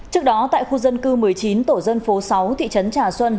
trước đó tại khu dân cư một mươi chín tổ dân phố sáu thị trấn trà xuân